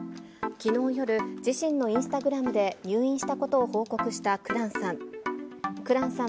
きのう夜、自身のインスタグラムで入院したことを報告した紅蘭さん。